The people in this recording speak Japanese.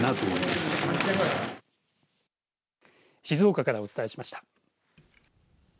静岡からお伝えしました。